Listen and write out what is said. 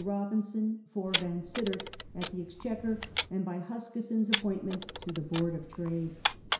Robinson for Vansittart at the Exchequer, and by Huskisson's appointment to the Board of Trade.